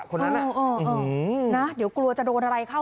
คนนั้นอ่ะอื้อหือน่ะเดี๋ยวกลัวจะโดนอะไรเข้า